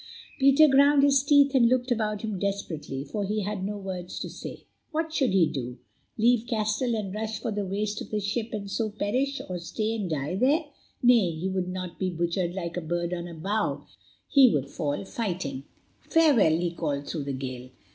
Peter ground his teeth, and looked about him desperately, for he had no words to say. What should he do? Leave Castell and rush for the waist of the ship and so perish, or stay and die there? Nay, he would not be butchered like a bird on a bough, he would fall fighting. "Farewell," he called through the gale.